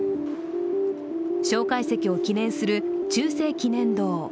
蒋介石を記念する中正記念堂。